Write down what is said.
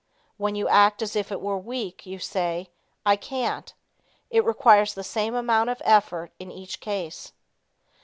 When you act as if it were weak you say, "I can't." It requires the same amount of effort, in each case.